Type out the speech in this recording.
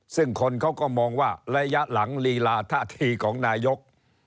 ซึ่งคนเขาก็มองว่าระยะหลังลีลาท่าทีของนายก